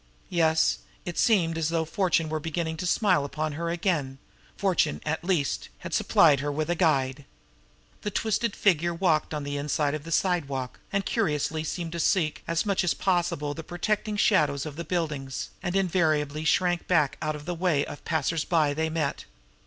Yes, it seemed as though fortune were beginning to smile upon her again fortune, at least, had supplied her with a guide. The twisted figure walked on the inside of the sidewalk, and curiously seemed to seek as much as possible the protecting shadows of the buildings, and invariably shrank back out of the way of the passers by they met.